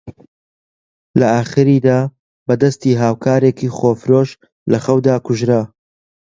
لە ئاخریدا بە دەستی هاوکارێکی خۆفرۆش لە خەودا کوژرا